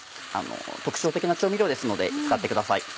特徴的な調味料ですので使ってください。